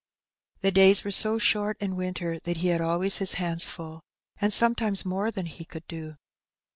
The days were so short in winter that he had always his hands full, and sometimes more than he could do.